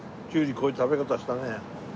こういう食べ方したね。